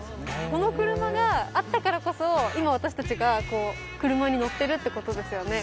この車があったからこそ今私たちが車に乗ってるってことですよね